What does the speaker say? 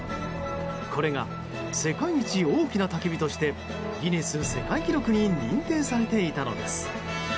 これが世界一大きなたき火としてギネス世界記録に認定されていたのです。